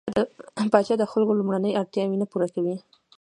پاچا د خلکو لومړنۍ اړتياوې نه پوره کوي.